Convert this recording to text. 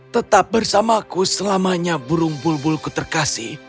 tetap bersamaku selamanya burung bulbulku terkasih